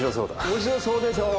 面白そうでしょう。